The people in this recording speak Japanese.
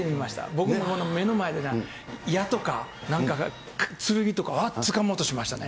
僕も目の前で、矢とか、なんかが、剣とか、つかもうとしましたね。